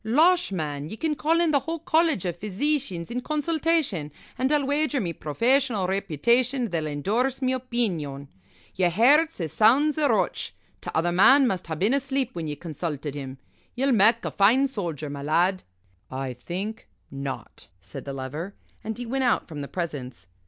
Losh, man ye can call in the whole College of Physeecians in consultation, an' I'll wager me professional reputation they'll endorse me opeenion. Yer hairt's as sound's a roach. T'other man must ha' been asleep when ye consulted him. Ye'll mak' a fine soldier, my lad." "I think not," said the Lover and he went out from the presence.